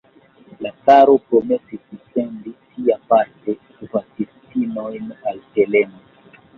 La caro promesis sendi siaparte svatistinojn al Heleno.